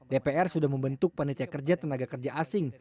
dpr sudah membentuk panitia kerja tenaga kerja asing